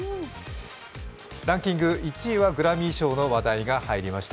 ランキング１位はグラミー賞の話題が入りました。